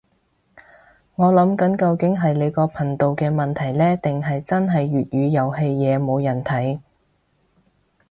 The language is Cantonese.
我諗緊究竟係你個頻道嘅問題呢，定係真係粵語遊戲嘢冇人睇